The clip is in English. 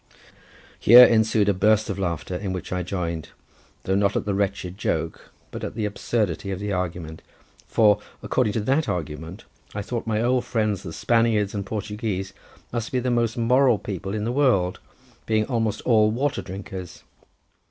Here ensued a burst of laughter in which I joined, though not at the wretched joke, but at the absurdity of the argument; for, according to that argument, I thought my old friends the Spaniards and Portuguese must be the most moral people in the world, being almost all water drinkers.